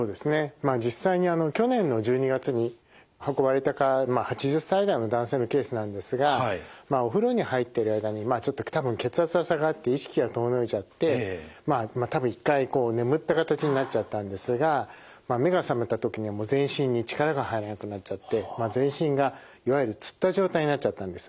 まあ実際に去年の１２月に運ばれた方まあ８０歳代の男性のケースなんですがお風呂に入ってる間にまあちょっと多分血圧が下がって意識が遠のいちゃってまあ多分一回眠った形になっちゃったんですが目が覚めた時には全身に力が入らなくなっちゃって全身がいわゆるつった状態になっちゃったんです。